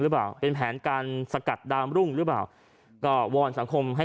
หรือเปล่าเป็นแผนการสกัดดามรุ่งหรือเปล่าก็วอนสังคมให้